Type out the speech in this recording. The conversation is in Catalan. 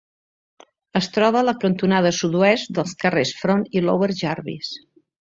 Es troba a la cantonada sud-oest dels carrers Front i Lower Jarvis.